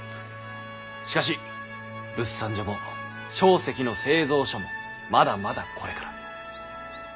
しかし物産所も硝石の製造所もまだまだこれから。